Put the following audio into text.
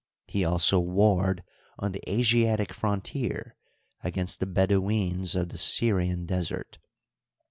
He also warred on the Asiatic frontier against the Bedouins of the Syrian Desert.